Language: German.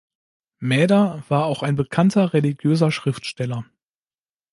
Mäder war auch ein bekannter religiöser Schriftsteller.